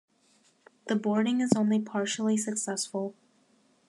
The boarding is only partially successful.